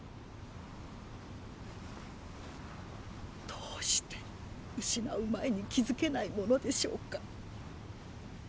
どうして失う前に気付けないものでしょうか。